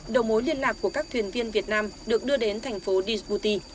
đầu mối liên lạc của các thuyền viên việt nam được đưa đến thành phố dsputi